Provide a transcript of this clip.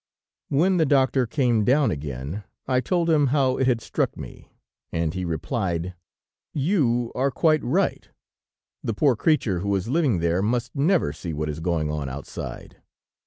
When the doctor came down again, I told him how it had struck me, and he replied: "You are quite right; the poor creature who is living there must never see what is going on outside.